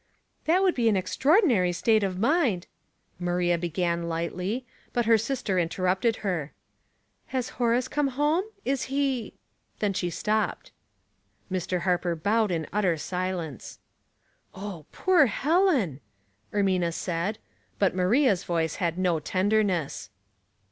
" That would be an extraordinary state of mind —" Maria began, lightly, but her sister interrupted her. " Has Horace come home ?— is he —'' Then she stopped. Mr. Harper bowed in utter silence. " Oh, poor Helen !" Ermina said ; but Maria's voice had no tenderness.